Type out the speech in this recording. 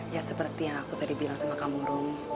ya seperti yang aku tadi bilang sama kamu rum